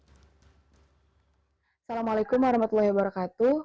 assalamualaikum warahmatullahi wabarakatuh